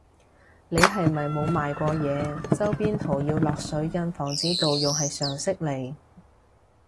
你係咪冇賣過嘢，周邊圖要落水印防止盜用係常識嚟